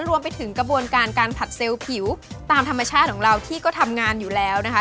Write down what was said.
รวมไปถึงกระบวนการการผัดเซลล์ผิวตามธรรมชาติของเราที่ก็ทำงานอยู่แล้วนะคะ